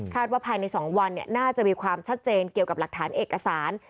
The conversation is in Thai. ว่าภายใน๒วันน่าจะมีความชัดเจนเกี่ยวกับหลักฐานเอกสาร